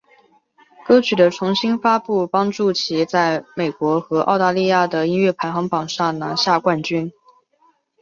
歌曲的重新发布帮助其在美国和澳大利亚的音乐排行榜上拿下冠军。